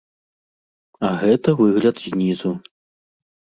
А гэта выгляд знізу.